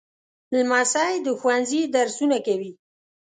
لمسی د ښوونځي درسونه کوي.